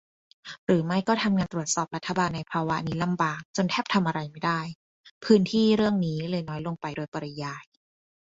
หรือไม่ก็ทำงานตรวจสอบรัฐบาลในภาวะนี้ลำบากจนแทบทำอะไรไม่ได้ พื้นที่เรื่องนี้เลยน้อยลงไปโดยปริยาย ?